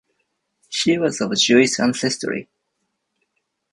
She was of Jewish ancestry.